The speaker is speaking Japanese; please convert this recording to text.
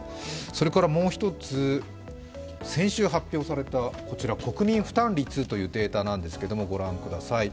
こちら先週発表された国民負担率というデータなんですけれども、ご覧ください。